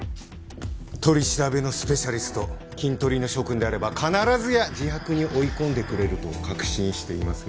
取り調べのスペシャリストキントリの諸君であれば必ずや自白に追い込んでくれると確信していますが。